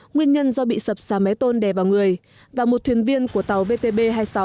nguyên nhân do bị sập xà máy tôn đè vào người và một thuyền viên của tàu vtb hai mươi sáu